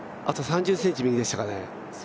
あと３０ｃｍ右でしたかね。